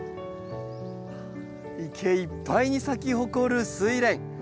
池いっぱいに咲き誇るスイレン。